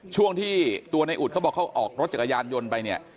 ช่วงที่ตัวในอุดเขาบอกเขาออกรถจักรยานยนต์ไปเนี่ย